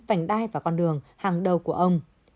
vành đai và con đường hàng đầu của ông